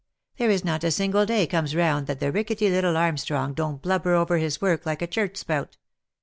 There is not a single day comes round that the rickety little Armstrong don't blubber over his work like a church spout.